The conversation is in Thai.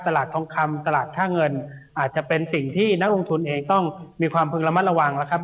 ทองคำตลาดค่าเงินอาจจะเป็นสิ่งที่นักลงทุนเองต้องมีความพึงระมัดระวังนะครับ